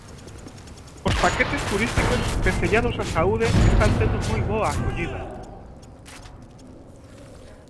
Os paquetes turísticos vencellados á saúde están tendo moi boa acollida.